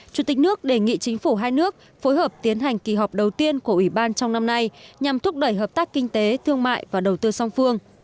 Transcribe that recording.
chủ tịch nước đề nghị chính phủ hai nước phối hợp tiến hành kỳ họp đầu tiên của ủy ban trong năm nay nhằm thúc đẩy hợp tác kinh tế thương mại và đầu tư song phương